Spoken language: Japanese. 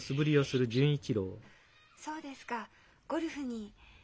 そうですかゴルフに。